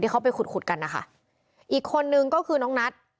เขาไปขุดขุดกันนะคะอีกคนนึงก็คือน้องนัท